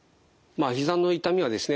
ひざの痛みはですね